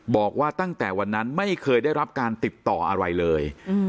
บอกว่าตั้งแต่วันนั้นไม่เคยได้รับการติดต่ออะไรเลย